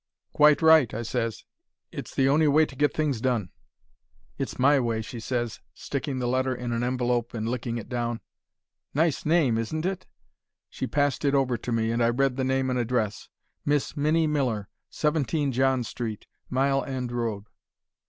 "'Quite right,' I ses; 'it's the on'y way to get things done.' "'It's my way,' she ses, sticking the letter in an envelope and licking it down. 'Nice name, isn't it?' "She passed it over to me, and I read the name and address: 'Miss Minnie Miller, 17, John Street, Mile End Road.'